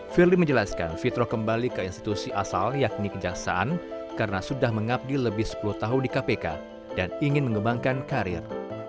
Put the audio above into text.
firly menjelaskan fitro kembali ke institusi asal yakni kejaksaan karena sudah mengabdi lebih sepuluh tahun di kpk dan ingin mengembangkan karir